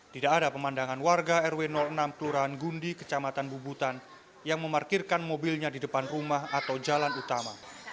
tidak ada pemandangan warga rw enam kelurahan gundi kecamatan bubutan yang memarkirkan mobilnya di depan rumah atau jalan utama